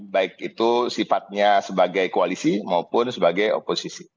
baik itu sifatnya sebagai koalisi maupun sebagai oposisi